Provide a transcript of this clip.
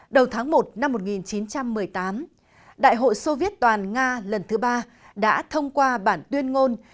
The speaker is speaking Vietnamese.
đầu tháng một năm một nghìn chín trăm một mươi tám đại hội soviet toàn nga lần thứ ba đã thông qua bản tuyên ngôn